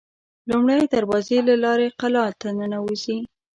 لومړۍ دروازې له لارې قلا ته ننوزي.